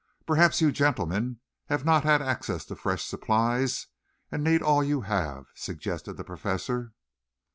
Perhaps you gentlemen have not had access to fresh supplies and need all you have," suggested the Professor.